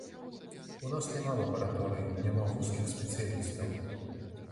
У нас няма лабараторый, няма вузкіх спецыялістаў.